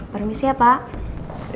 permisi ya pak